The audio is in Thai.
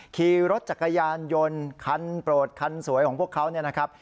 ขี่รถจักรยานยนต์คันโปรดคันสวยของพวกเขาเนี่ยนะครับ